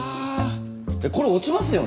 えっこれ落ちますよね？